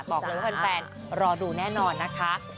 บอกเลยว่าแฟนรอดูแน่นอนนะคะ